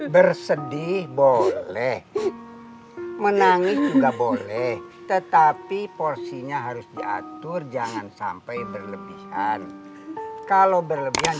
bersedih boleh menangis juga boleh tetapi porsinya harus diatur jangan sampai berlebihan kalau berlebihan